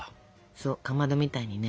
そうかまどみたいにね。